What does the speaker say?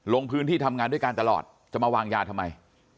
ลงพื้นที่ทำงานด้วยกันตลอดจะมาวางยาทำไม